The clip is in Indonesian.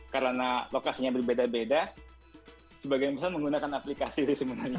karena lokasinya berbeda beda sebagainya bisa menggunakan aplikasi sebenarnya